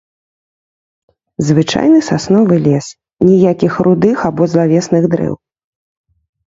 Звычайны сасновы лес, ніякіх рудых або злавесных дрэў.